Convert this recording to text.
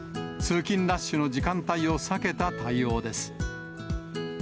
通勤ラッシュの時間帯を避けた対応です。